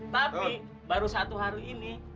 tapi baru satu hari ini